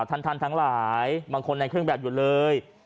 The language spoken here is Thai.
ท่านทั้งหลายบางคนในเครื่องแบบอยู่เลย